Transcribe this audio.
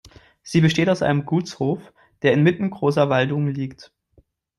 Sie besteht aus einem Gutshof, der inmitten großer Waldungen liegt.